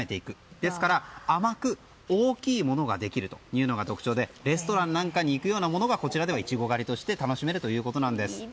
ですから、甘く大きいものができるのが特徴でレストランなんかにいくようなものがこちらではイチゴ狩りとして楽しめるということなんです。